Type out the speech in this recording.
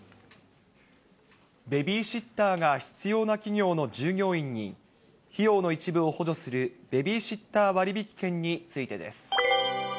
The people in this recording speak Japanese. ベビーシッターが必要な企業の従業員に、費用の一部を補助するベビーシッター割引券についてです。